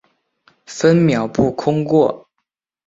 分秒不空过